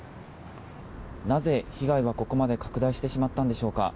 なぜ、被害はここまで拡大してしまったのでしょうか。